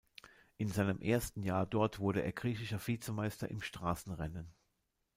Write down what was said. In seinem ersten Jahr dort wurde er griechischer Vizemeister im Straßenrennen.